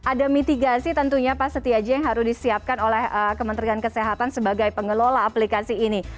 ada mitigasi tentunya pak setiaji yang harus disiapkan oleh kementerian kesehatan sebagai pengelola aplikasi ini